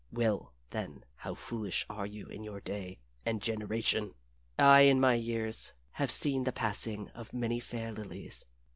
Well, then, how foolish are you in your day and generation! I in my years have seen the passing of many fair lilies.